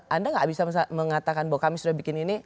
anda nggak bisa mengatakan bahwa kami sudah bikin ini